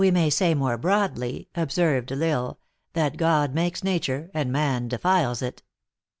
may say more broadly," observed L Isle, " that God makes nature and man defiles it."